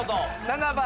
７番。